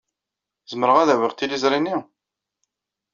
Zemreɣ ad awiɣ tiliẓri-nni?